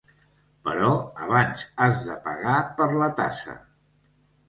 Però abans has de pagar per la tassa.